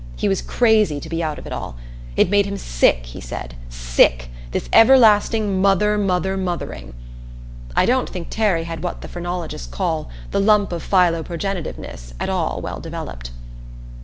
He was crazy to be out of it all. It made him sick, he said, sick; this everlasting mother mother mothering. I don't think Terry had what the phrenologists call "the lump of philoprogenitiveness" at all well developed.